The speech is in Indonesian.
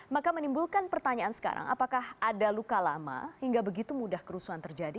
maka menimbulkan pertanyaan sekarang apakah ada luka lama hingga begitu mudah kerusuhan terjadi